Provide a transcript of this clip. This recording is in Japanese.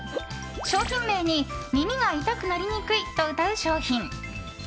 商品名に耳が痛くなりにくいとうたう商品。